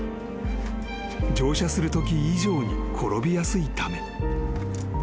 ［乗車するとき以上に転びやすいため］